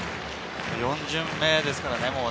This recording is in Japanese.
もう４巡目ですからね。